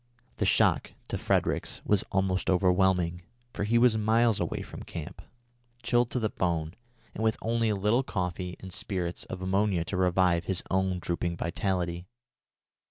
The shock to Fredericks was almost overwhelming, for he was miles away from the camp, chilled to the bone, and with only a little coffee and spirits of ammonia to revive his own drooping vitality.